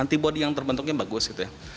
antibody yang terbentuknya bagus gitu ya